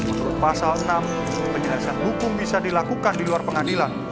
menurut pasal enam penyelesaian hukum bisa dilakukan di luar pengadilan